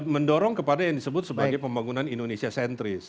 mendorong kepada yang disebut sebagai pembangunan indonesia sentris